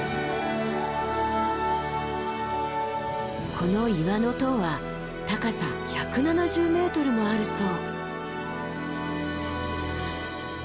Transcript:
この岩の塔は高さ１７０ｍもあるそう。